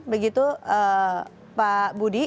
begitu pak budi